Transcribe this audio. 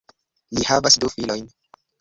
Li havas du filojn.